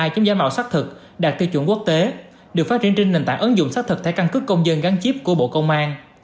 chống giảm bạo xác thực đạt tiêu chuẩn quốc tế được phát triển trên nền tảng ứng dụng xác thực thẻ căn cứ công dân gắn chip của bộ công an